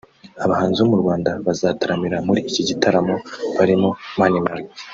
Abahanzi bo mu Rwanda bazatarama muri iki gitaramo barimo Mani Martin